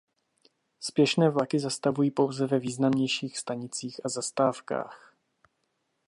Spěšné vlaky zastavují pouze ve významnějších stanicích a zastávkách.